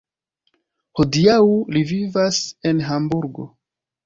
Hodiaŭ li vivas en Hamburgo.